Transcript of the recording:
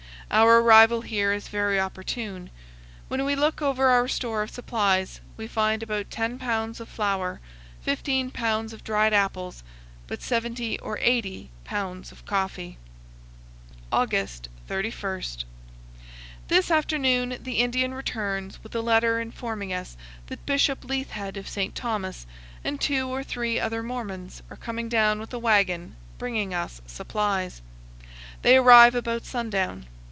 Our arrival here is very opportune. When we look over our store of TO THE FOOT OF THE GRAND CANTON. 287 supplies, we find about 10 pounds of flour, 15 pounds of dried apples, but 70 or 80 pounds of coffee. August 31. This afternoon the Indian returns with a letter informing us that Bishop Leithhead of St. Thomas and two or three other Mormons are coming down with a wagon, bringing us supplies. They arrive about sundown.